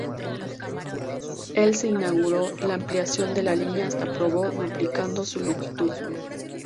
El se inauguró la ampliación de la línea hasta Provo, duplicando su longitud.